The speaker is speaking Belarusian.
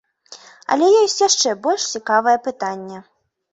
Але ёсць яшчэ больш цікавае пытанне.